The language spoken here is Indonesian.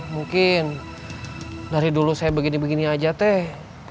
mungkin dari dulu saya begini begini aja teh